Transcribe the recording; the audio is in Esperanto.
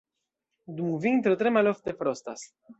Dum vintro tre malofte frostas.